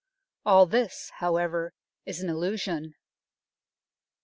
All this, however, is an illusion.